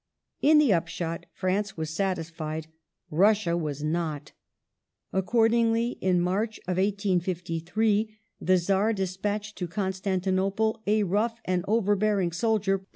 In the upshot, France was satisfied, Russia was not. Accordingly, in March, 1853, the Czar despatched to Constantinople a rough and overbearing soldier.